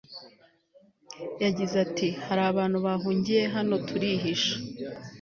yagize ati hari abantu bahungiye hano turihisha